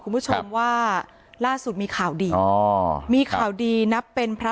คุณผู้ชมว่าล่าสุดมีข่าวดีอ๋อมีข่าวดีนับเป็นพระ